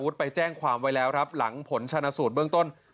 ไปแจ้งความไว้แล้วครับหลังผลชนะสูตรเบื้องต้น